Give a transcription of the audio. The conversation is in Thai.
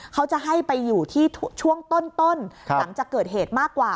เขาจะให้ไปอยู่ที่ช่วงต้นหลังจากเกิดเหตุมากกว่า